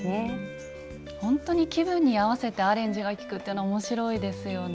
ほんとに気分に合わせてアレンジが利くっていうの面白いですよね。